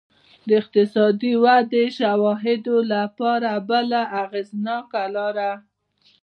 د اقتصادي ودې شواهدو لپاره بله اغېزناکه لار